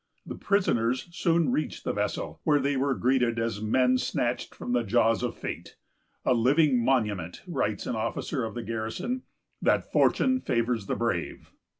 The prisoners soon reached the vessel, where they were greeted as men snatched from the jaws of fate; "a living monument," writes an officer of the garrison, "that Fortune favors the brave."